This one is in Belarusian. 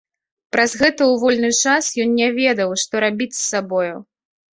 Праз гэта ў вольны час ён не ведаў, што рабіць з сабою.